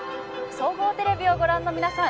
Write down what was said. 総合テレビをご覧の皆さん